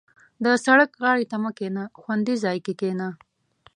• د سړک غاړې ته مه کښېنه، خوندي ځای کې کښېنه.